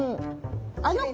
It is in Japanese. あの子？